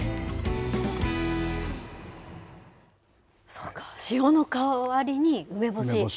そうか、塩の代わりに梅干し。